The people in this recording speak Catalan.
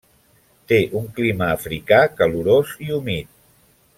Té un clima africà calorós i humit.